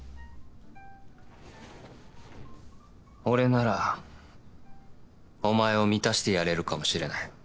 俺ならお前を満たしてやれるかもしれない。